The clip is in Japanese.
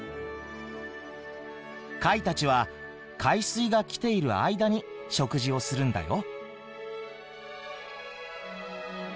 貝たちは海水が来ている間に食事をするんだよ。